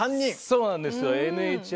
そうなんですよ。